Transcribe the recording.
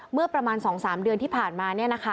เมื่อประมาณ๒๓เดือนที่ผ่านมา